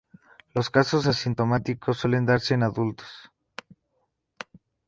Los casos asintomáticos suelen darse en adultos.